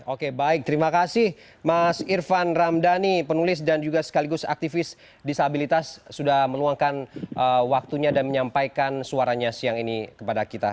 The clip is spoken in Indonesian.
oke baik terima kasih mas irfan ramdhani penulis dan juga sekaligus aktivis disabilitas sudah meluangkan waktunya dan menyampaikan suaranya siang ini kepada kita